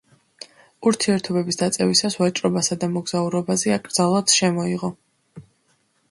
ურთიერთობების დაწევისას ვაჭრობასა და მოგზაურობაზე აკრძალვაც შემოიღო.